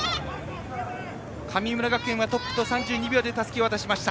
神村学園がトップと３２秒差でたすきを渡しました。